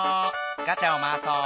ガチャをまわそう。